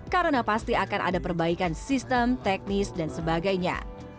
karena pasti akan ada perbaikan sistem teknis dan sebagainya